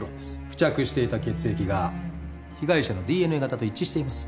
付着していた血液が被害者のＤＮＡ型と一致しています。